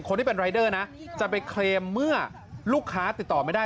คนที่เป็นรายเดอร์นะจะไปเคลมเมื่อลูกค้าติดต่อไม่ได้